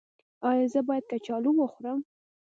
ایا زه باید کچالو وخورم؟